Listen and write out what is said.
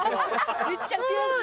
いっちゃん悔しい。